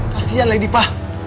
kasihan lady pa